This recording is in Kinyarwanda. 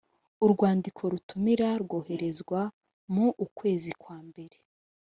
Urwandiko rutumira rwoherezwa mu ukwezi kwa mbere